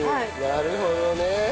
なるほどね。